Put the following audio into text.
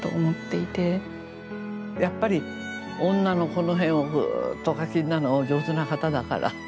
やっぱり女のこの辺をぐっとお書きになるのがお上手な方だから。